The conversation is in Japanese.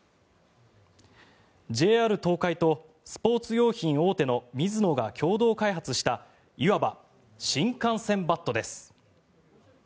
ＪＲ東海とスポーツ用品大手のミズノが共同開発したいわば新幹線バットです。